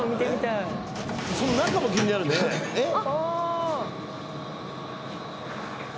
その中も気になるねえっ。